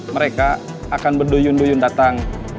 mereka akan berduyun duyun datang